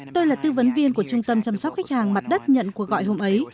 tôi là tư vấn viên của trung tâm chăm sóc khách hàng mặt đất nhận cuộc gọi hôm ấy